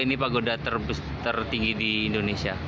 ini pagoda tertinggi di indonesia